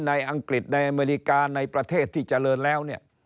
อังกฤษในอเมริกาในประเทศที่เจริญแล้วเนี่ย